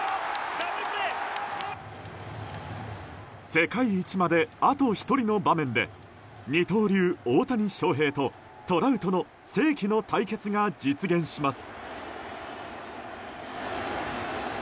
世界一まであと１人の場面で二刀流・大谷翔平とトラウトの世紀の対決が実現します。